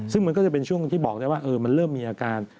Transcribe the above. ซึ่งมันก็จะเป็นช่วงที่บอกได้ว่ามันเริ่มมีอาการ